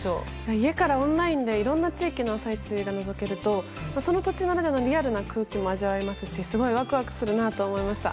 家からオンラインでいろんな朝市がのぞけるとその土地ならではのリアルな空気が感じられるしすごくワクワクするなと思いました。